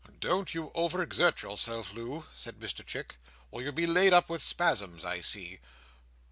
"Don't you over exert yourself, Loo," said Mr Chick, "or you'll be laid up with spasms, I see.